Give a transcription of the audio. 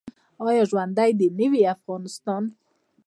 آیا ژوندی دې نه وي افغانستان؟